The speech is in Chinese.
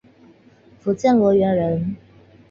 福建罗源人。